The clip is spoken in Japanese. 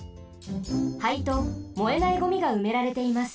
灰と燃えないゴミがうめられています。